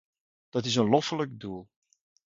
Dit is een loffelijk doel.